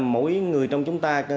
mỗi người trong chúng ta